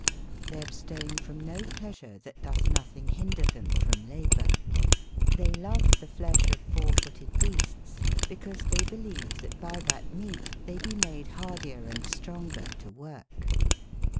T^hey abstaine from no pleasure that doeth nothingehinderthem from laboureXbey love the flesh of f oure footed beastes, bicause they beleve that by that meate they be made hardier and stronger to woorhe.